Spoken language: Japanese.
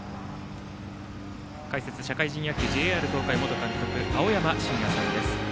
解説、社会人野球ＪＲ東海元監督青山眞也さんです。